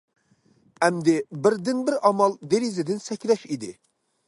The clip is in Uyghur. ئەمدى بىردىنبىر ئامال دېرىزىدىن سەكرەش ئىدى.